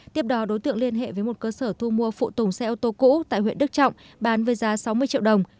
tiếp đó đối tượng liên hệ với một cơ sở thu mua phụ tùng xe ô tô cũ tại huyện đức trọng bán với giá sáu mươi triệu đồng